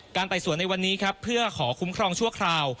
ไต่สวนในวันนี้ครับเพื่อขอคุ้มครองชั่วคราว